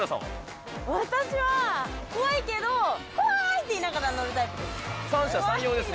私は、怖いけど、怖ーいって言いながら乗るタイプです。